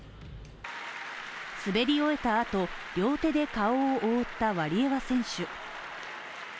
滑り終えたあと、両手で顔を覆ったワリエワ選手。